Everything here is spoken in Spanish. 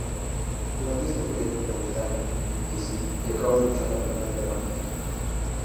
Durante este período Gran Bretaña empieza y acaba de luchar la Primera Guerra Mundial.